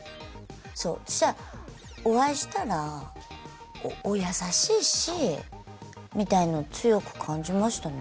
そうお会いしたらお優しいしみたいの強く感じましたね